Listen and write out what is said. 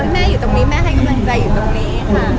แม่อยู่ตรงนี้แม่ให้กำลังใจอยู่ตรงนี้ค่ะ